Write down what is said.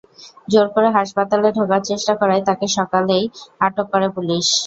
জোর করে হাসপাতালে ঢোকার চেষ্টা করায় তাঁকে সকালেই আটক করে পুলিশ।